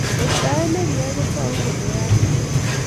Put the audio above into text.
ng'wektaet nekiyai kotoku kole yachen